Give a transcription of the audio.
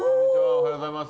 おはようございます。